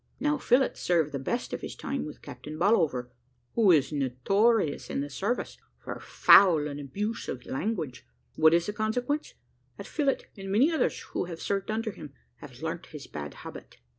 Now, Phillott served the best of his time with Captain Ballover, who is notorious in the service for foul and abusive language. What is the consequence? that Phillott, and many others, who have served under him, have learnt his bad habit."